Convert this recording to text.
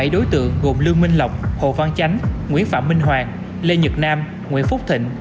bảy đối tượng gồm lương minh lộc hồ văn chánh nguyễn phạm minh hoàng lê nhật nam nguyễn phúc thịnh